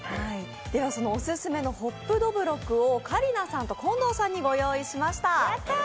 そのオススメのホップどぶろくを香里奈さんと近藤さんにご用意しました。